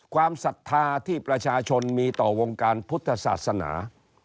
ศรัทธาที่ประชาชนมีต่อวงการพุทธศาสนา